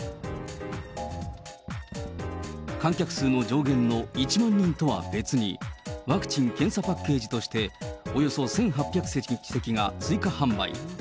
観客数の上限の１万人とは別に、ワクチン・検査パッケージとしておよそ１８００席が追加販売。